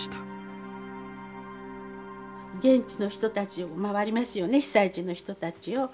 現地の人たちを回りますよね被災地の人たちを。